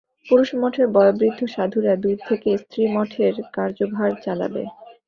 পুরুষ-মঠের বয়োবৃদ্ধ সাধুরা দূরে থেকে স্ত্রী-মঠের কার্যভার চালাবে।